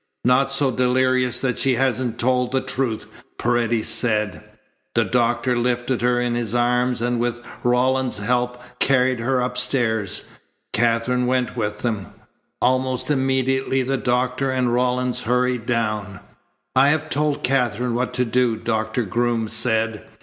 "Not so delirious that she hasn't told the truth," Paredes said. The doctor lifted her in his arms and with Rawlins's help carried her upstairs. Katherine went with them. Almost immediately the doctor and Rawlins hurried down. "I have told Katherine what to do," Doctor Groom said.